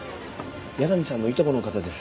矢上さんのいとこの方です。